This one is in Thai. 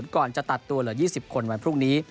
ก่อนจะตัดตัวเหลือ๒๐คนวันพรุ่งนี้